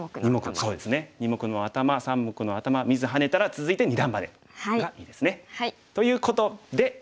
そうですね二目のアタマ三目のアタマ見ずハネたら続いて二段バネがいいですね。ということで。